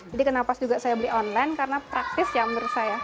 jadi kenapa juga saya beli online karena praktis ya menurut saya